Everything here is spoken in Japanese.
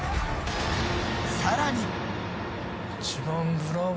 さらに。